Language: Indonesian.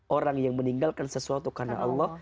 orang yang meninggalkan sesuatu karena allah